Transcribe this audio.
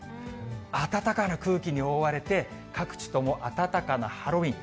暖かな空気に覆われて、各地とも暖かなハロウィーン。